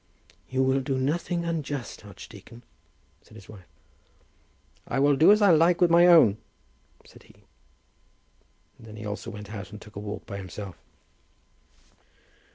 "You will do nothing unjust, archdeacon," said his wife. "I will do as I like with my own," said he. And then he also went out and took a walk by himself.